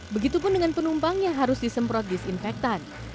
begitupun dengan penumpang yang harus disemprot disinfektan